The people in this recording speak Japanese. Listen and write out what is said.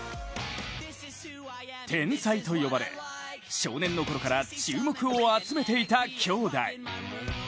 天才と呼ばれ、少年のころから注目を集めていた兄弟。